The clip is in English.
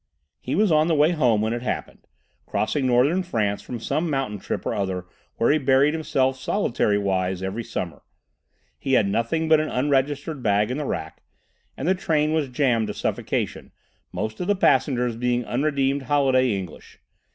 He was on the way home when it happened, crossing northern France from some mountain trip or other where he buried himself solitary wise every summer. He had nothing but an unregistered bag in the rack, and the train was jammed to suffocation, most of the passengers being unredeemed holiday English.